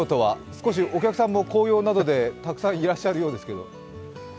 少しお客さんも紅葉などでたくさんいらっしゃるようですけれども。